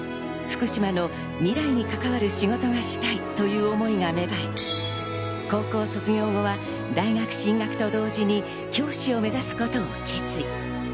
福島の未来に関わる仕事がしたいという思いが芽生え、高校卒業後は大学進学と同時に、教師を目指すことを決意。